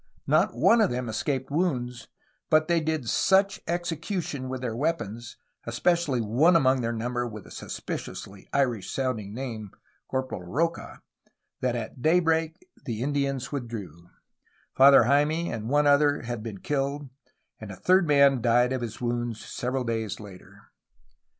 Not one of them escaped wounds, but they did such execution with their weapons, especially one among their number with a sus piciously Irish sounding name. Corporal Rocha, that at day break the Indians withdrew. Father Jayme and one other had been killed, and a third man died of his wounds several days later.